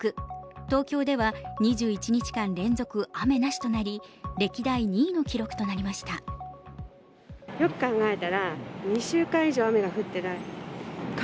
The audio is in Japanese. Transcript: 東京では２１日間連続、雨なしとなり歴代２位の記録となりました。